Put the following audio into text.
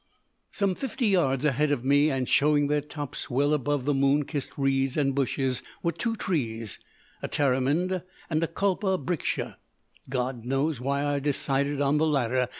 "Some fifty yards ahead of me, and showing their tops well above the moon kissed reeds and bushes, were two trees a tamarind and a kulpa briksha. God knows why I decided on the latter!